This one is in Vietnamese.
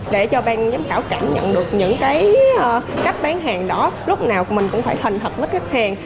để cho ban giám khảo cảm nhận được những cái cách bán hàng đó lúc nào mình cũng phải thành thật với khách hàng